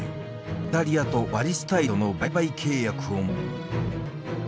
イタリアとバリスタイトの売買契約を結んだ。